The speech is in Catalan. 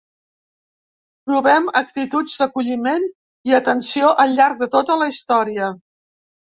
Trobem actituds d’acolliment i atenció al llarg de tota la història.